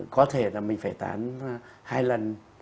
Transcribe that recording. có thể là mình phải tán hai lần